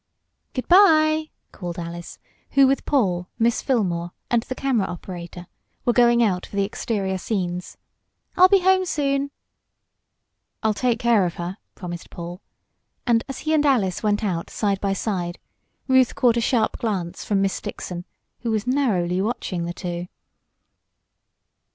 "Good bye!" called Alice, who with Paul, Miss Fillmore, and the camera operator, were going out for the exterior scenes. "I'll be home soon." "I'll take care of her," promised Paul, and, as he and Alice went out, side by side, Ruth caught a sharp glance from Miss Dixon, who was narrowly watching the two.